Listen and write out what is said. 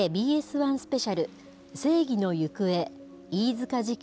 １スペシャル、正義の行方飯塚事件